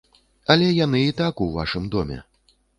Але яны і так у вашым доме.